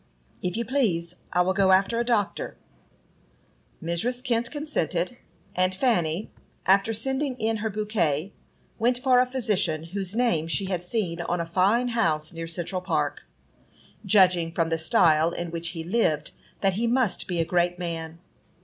"If you please, I will go after a doctor." Mrs. Kent consented, and Fanny, after sending in her bouquet, went for a physician whose name she had seen on a fine house near Central Park, judging from the style in which he lived that he must be a great man.